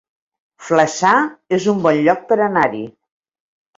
Flaçà es un bon lloc per anar-hi